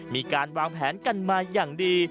มีการวางแผนกันมาอย่างดี